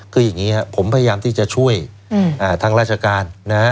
คืออย่างนี้ครับผมพยายามที่จะช่วยทางราชการนะ